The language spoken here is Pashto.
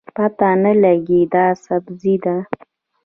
پته نه لګي دا سبزي ده